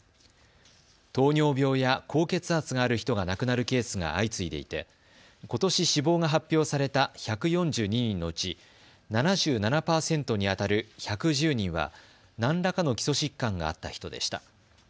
糖尿病や高血圧がある人が亡くなるケースが相次いでいてことし死亡が発表された１４２人のうち７７％にあたる１１０人は何らかの基礎疾患があった人でした。